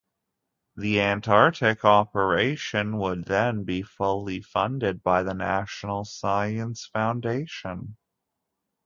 The Antarctic operation would then be fully funded by the National Science Foundation.